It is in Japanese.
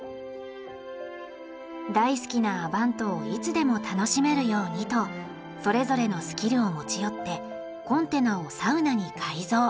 大好きなアヴァントをいつでも楽しめるようにとそれぞれのスキルを持ち寄ってコンテナをサウナに改造。